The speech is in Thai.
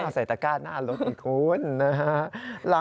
ใส่ตะก้าหน้ารถอีกคุณนะฮะ